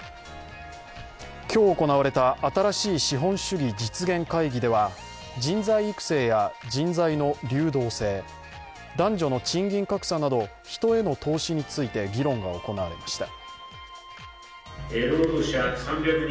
今日行われた新しい資本主義実現会議では人材育成や人材の流動性、男女の賃金格差など人への投資について議論が行われました。